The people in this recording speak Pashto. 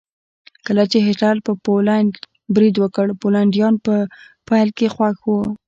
کله چې هېټلر په پولنډ برید وکړ پولنډیان په پیل کې خوښ وو